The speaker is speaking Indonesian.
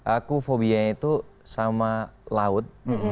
aku fobianya itu sama laut